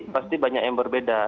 pasti banyak yang berbeda